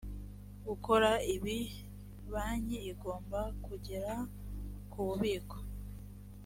gukora ibi banki igomba kugera ku bubiko